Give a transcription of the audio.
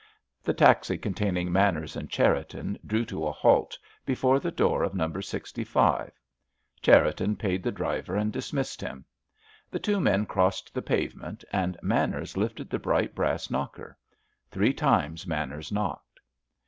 The taxi containing Manners and Cherriton drew to a halt before the door of No. 65. Cherriton paid the driver and dismissed him. The two men crossed the pavement, and Manners lifted the bright brass knocker. Three times Manners knocked.